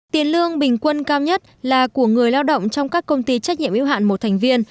tiền lương bình quân cao nhất là của người lao động trong các công ty trách nhiệm yêu hạn một thành viên